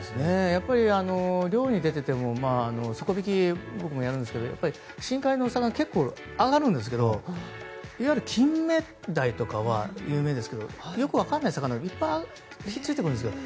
やっぱり漁に出ていても底引き、僕もやるんですけど深海のお魚が結構あがるんですけどいわゆるキンメダイとかは有名ですけどよく分からない魚いっぱいついてくるんですね。